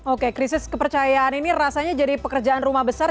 oke krisis kepercayaan ini rasanya jadi pekerjaan rumah besar